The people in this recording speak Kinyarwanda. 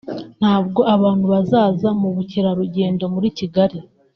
ntabwo abantu bazaza mu bukerarugendo muri Kigali